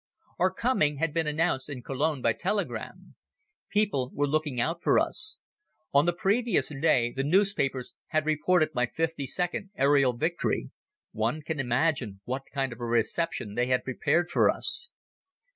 Our coming had been announced in Cologne by telegram. People were looking out for us. On the previous day the newspapers had reported my fifty second aerial victory. One can imagine what kind of a reception they had prepared for us.